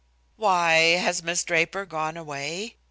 "Why, has Miss Draper gone away?"